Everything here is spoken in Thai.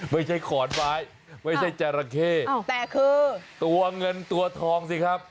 ขอนไม้ไม่ใช่จราเข้แต่คือตัวเงินตัวทองสิครับ